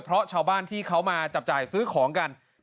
เพราะชาวบ้านที่เขามาจับจ่ายซื้อของกัน